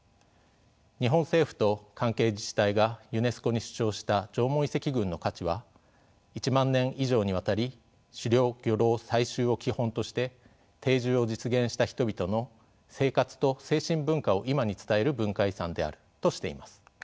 日本政府と関係自治体がユネスコに主張した縄文遺跡群の価値は「１万年以上にわたり狩猟漁労採集を基本として定住を実現した人々の生活と精神文化を今に伝える文化遺産である」としています。